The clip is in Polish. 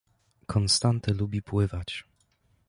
Konstanty lubi pływać.